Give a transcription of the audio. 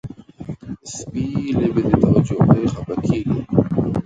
سپي له بې توجهۍ خپه کېږي.